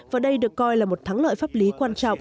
và đây được coi là một thắng lợi pháp lý quan trọng